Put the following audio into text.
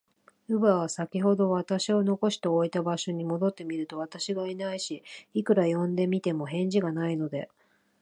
乳母は、さきほど私を残しておいた場所に戻ってみると、私がいないし、いくら呼んでみても、返事がないので、